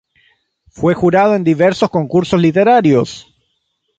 Fue jurado en diversos concursos literarios.